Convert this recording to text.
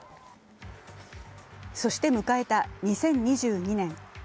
そして迎えた２０２２年。